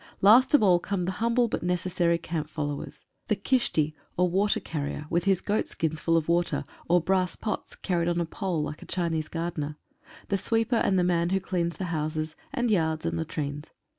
Last of all come the humble, but necessary camp followers —■ the Chisti, or water carrier, with his goat skins full of water, or brass pots carried on a pole like a Chinese gardener; the sweeper, and the man who cleans the houses, and yards, and latrines.